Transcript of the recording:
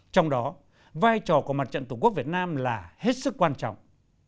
trong đó vai trò của mặt trận tổ quốc việt nam là hết sức quan trọng